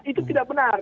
itu tidak benar